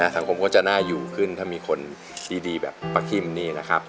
สังคมก็จะน่าอยู่ขึ้นถ้ามีคนที่ดีแบบป้าคิมนี่นะครับ